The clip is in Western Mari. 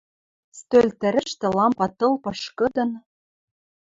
Стӧл тӹрӹштӹ лампа тыл пышкыдын